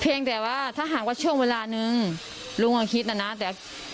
เพียงแต่ว่าถ้าหากว่าช่วงเวลานึงลุงก็คิดนะนะแต่